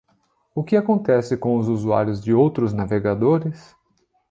O que acontece com os usuários de outros navegadores?